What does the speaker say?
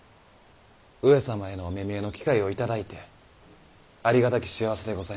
上様へのお目見えの機会を頂いてありがたき幸せでございます。